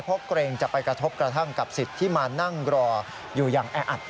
เพราะเกรงจะไปกระทบกระทั่งกับสิทธิ์ที่มานั่งรออยู่อย่างแออัด